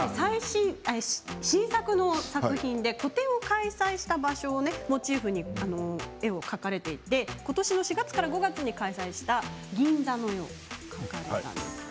新作の作品で個展を開催した場所をモチーフに絵を描かれていてことしの４月から５月に開催した銀座の絵を描かれたんですよね。